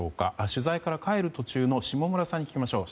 取材から帰る途中の下村さんに聞きましょう。